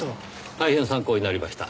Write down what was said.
大変参考になりました。